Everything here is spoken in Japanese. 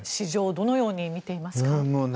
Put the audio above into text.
どのように見ていますか？